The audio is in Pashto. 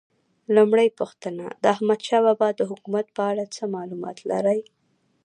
لومړۍ پوښتنه: د احمدشاه بابا د حکومت په اړه څه معلومات لرئ؟